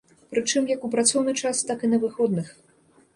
Прычым, як у працоўны час, так і на выходных.